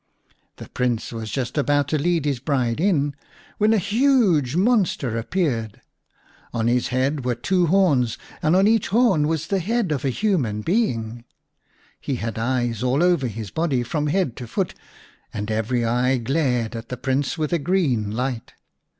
The Prince was just about to lead his bride in when a huge monster appeared. On his head were two horns, and on each horn was the head of a human being. He had eyes all over his body from head to foot, and every eye glared at the Prince with a green light.